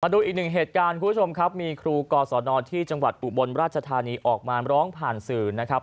ดูอีกหนึ่งเหตุการณ์คุณผู้ชมครับมีครูกศนที่จังหวัดอุบลราชธานีออกมาร้องผ่านสื่อนะครับ